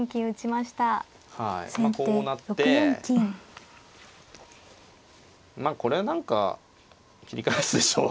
まあこうなってこれは何か切り返すでしょう。